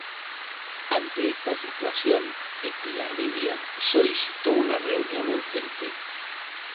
Ante esta situación Estigarribia solicitó una reunión urgente.